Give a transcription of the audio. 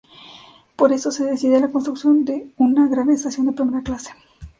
Por esto se decide la construcción de una "gran estación de primera clase".